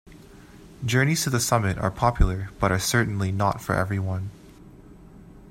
Journeys to the summit are popular, but are certainly not for everyone.